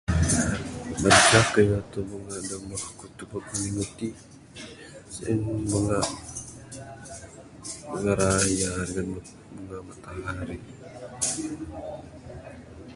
[unintelligible] Banca keyuh bunga da tubek ku minggu ti sien bunga, bunga raya dangan bunga matahari.